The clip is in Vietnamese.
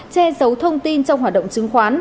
che giấu thông tin trong hoạt động chứng khoán